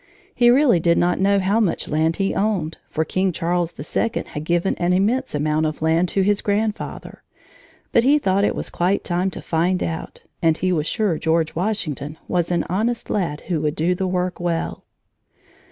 He really did not know how much land he owned, for King Charles the Second had given an immense amount of land to his grandfather. But he thought it was quite time to find out, and he was sure George Washington was an honest lad who would do the work well.